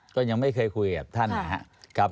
ก็ยังไม่เคยคุยกับท่านนะครับ